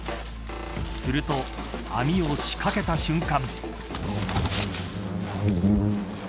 すると、網を仕掛けた瞬間。